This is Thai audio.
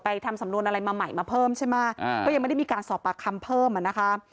ทำสำนวนอะไรมาใหม่มาเพิ่มใช่ไหมก็ยังไม่ได้มีการสอบปากคำเพิ่มอ่ะนะคะ